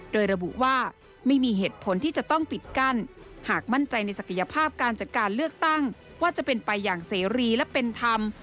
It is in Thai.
โดยระบุว่าไม่มีเหตุผลที่จะต้องปิดกั้นหากมั่นใจในศักยภาพการจัดการเลือกตั้งว่าจะเป็นไปอย่างเสรีและเป็นธรรม